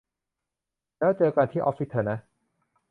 แล้วเจอกันที่ออฟฟิศเธอนะ